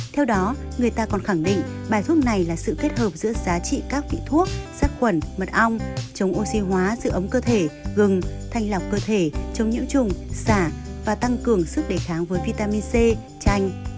theo đó người ta còn khẳng định bài thuốc này là sự kết hợp giữa giá trị các vị thuốc sát khuẩn mật ong chống oxy hóa giữ ấm cơ thể gừng thanh lọc cơ thể chống nhiễm trùng xả và tăng cường sức đề kháng với vitamin c chanh